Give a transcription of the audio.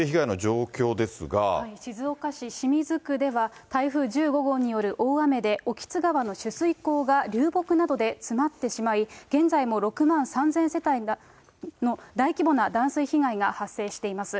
静岡市清水区では、台風１５号による大雨で興津川の取水口が流木などで詰まってしまい、現在も６万３０００世帯の大規模な断水被害が発生しています。